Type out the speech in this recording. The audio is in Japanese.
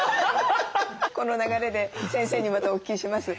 この流れで先生にまたお聞きします。